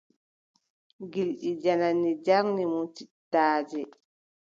Gilɗi jannanni njarni mo cittaaje.